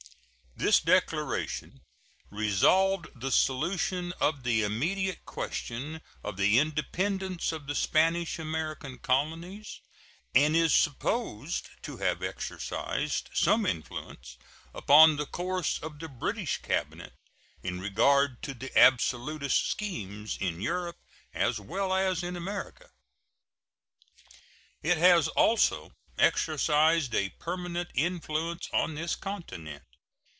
This declaration resolved the solution of the immediate question of the independence of the Spanish American colonies, and is supposed to have exercised some influence upon the course of the British cabinet in regard to the absolutist schemes in Europe as well as in America. It has also exercised a permanent influence on this continent.